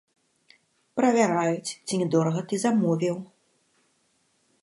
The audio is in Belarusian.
Правяраюць, ці не дорага ты замовіў.